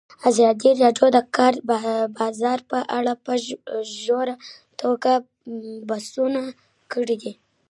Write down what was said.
ازادي راډیو د د کار بازار په اړه په ژوره توګه بحثونه کړي.